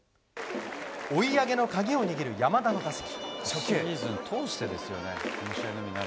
追い上げの鍵を握る山田の打席。